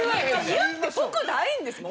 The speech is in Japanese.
言って得ないんですもん。